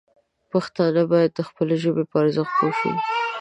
پښتانه باید د خپلې ژبې په ارزښت پوه شي.